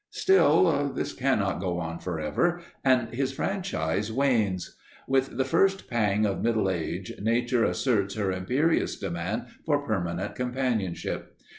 Still, this cannot go on forever, and his franchise wanes. With the first pang of middle age Nature asserts her imperious demand for permanent companionship.